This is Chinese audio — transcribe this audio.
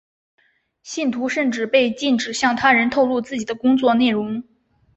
信徒甚至被禁止向他人透露自己的工作内容。